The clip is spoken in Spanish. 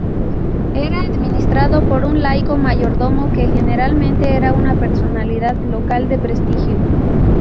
Era administrado por un laico mayordomo, que generalmente era una personalidad local de prestigio.